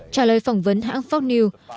trả lời phỏng vấn hãng fox news